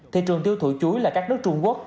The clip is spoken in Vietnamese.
thị trường tiêu thụ chú là các nước trung quốc